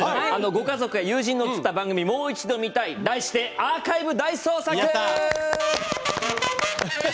家族や友人が映った番組を見る題してアーカイブ大捜索！